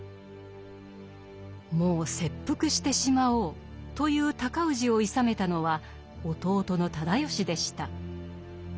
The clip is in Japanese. もう切腹してしまおうという尊氏をいさめたのは弟の直義でした。